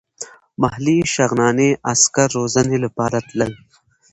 محلي شغناني عسکر روزنې لپاره تلل.